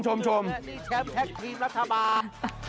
แชมป์แท็กทีมรัฐบาล